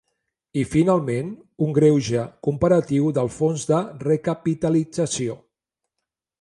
I, finalment, un greuge comparatiu del fons de recapitalització.